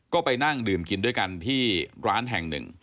ก็ไปนั่งดื่มกินด้วยกันที่ร้านแห่งหนึ่ง